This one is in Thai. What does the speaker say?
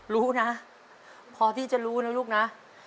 รู้นะพอที่จะรู้นะลูกนะ